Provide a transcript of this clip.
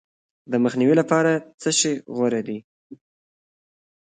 د مخنیوي لپاره څه شی غوره دي؟